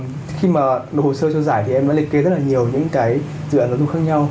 dạ vâng thì khi mà đồ hồ sơ cho giải thì em đã liệt kế rất là nhiều những cái dự án giáo dục khác nhau